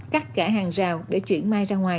cắt cả hàng rào để chuyển mai ra ngoài